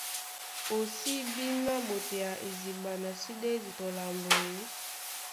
O sí bí ná ɓotea idiɓa, na sí ɗédi tɔ lambo e?